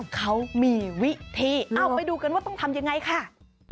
เขามีวิธีเอาไปดูกันว่าต้องทำยังไงค่ะ